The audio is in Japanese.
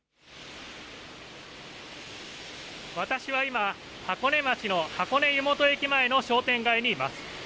私は今、箱根町の箱根湯本駅前の商店街にいます。